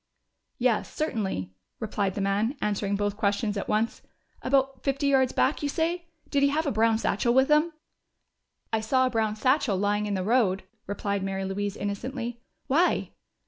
"Yes, certainly," replied the man, answering both questions at once. "About fifty yards back, you say? Did he have a brown satchel with him?" "I saw a brown satchel lying in the road," replied Mary Louise innocently. "Why?"